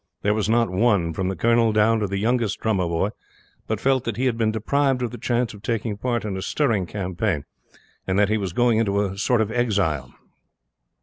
There was not one from the colonel down to the youngest drummer boy but felt that he had been deprived of the chance of taking part in a stirring campaign, and that he was going into a sort of exile.